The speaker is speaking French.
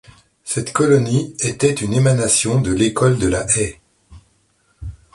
Cette colonie était une émanation de l'École de La Haye.